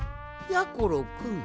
やころくん